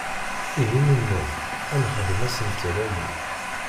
Ihi nenna-d, ad nexdem asentel-agi.